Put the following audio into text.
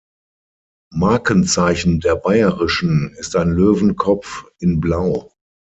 Markenzeichen der Bayerischen ist ein Löwenkopf in Blau.